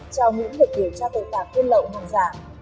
trong những lực điều tra tội phạm quân lộng hàng giả